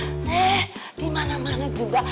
eh dimana mana juga